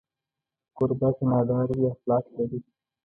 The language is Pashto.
کوربه که نادار وي، اخلاق لري.